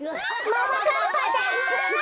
ももかっぱちゃん！